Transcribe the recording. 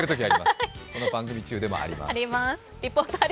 この番組中でもあります。